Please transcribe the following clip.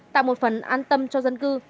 tạo một phần an tâm cho dân cư